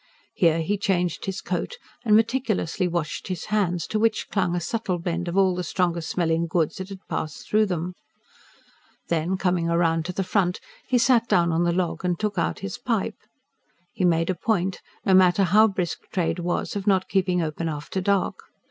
Here he changed his coat and meticulously washed his hands, to which clung a subtle blend of all the strong smelling goods that had passed through them. Then, coming round to the front, he sat down on the log and took out his pipe. He made a point, no matter how brisk trade was, of not keeping open after dark.